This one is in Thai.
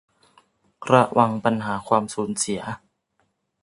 ระวังปัญหาความสูญเสีย